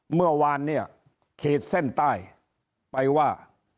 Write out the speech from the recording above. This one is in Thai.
เมื่อวานเนี่ยขีดเส้นใต้ไปว่า